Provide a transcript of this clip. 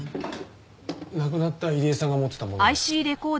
亡くなった入江さんが持ってたものです。